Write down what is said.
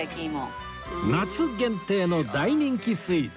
夏限定の大人気スイーツ